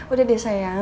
udah deh sayang